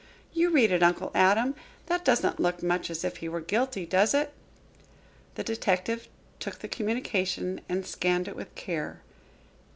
You read it, Uncle Adam. That doesn't look much as if he were guilty, does it?" The detective took the communication and scanned it with care.